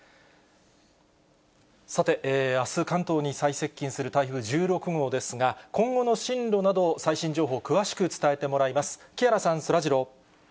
さて、あす、関東に最接近する台風１６号ですが、今後の進路など、最新情報を詳しく伝えてもらいます。